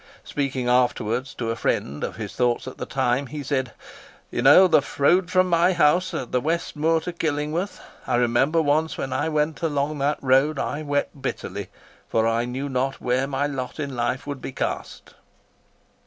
Speaking afterwards to a friend of his thoughts at the time, he said: "You know the road from my house at the West Moor to Killingworth. I remember once when I went along that road I wept bitterly, for I knew not where my lot in life would be cast."